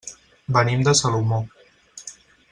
Venim de Salomó.